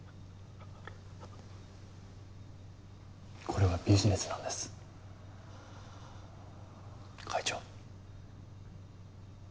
これはビジネスなんです会長。